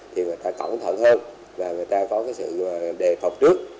thì người ta cẩn thận hơn và người ta có cái sự đề phòng trước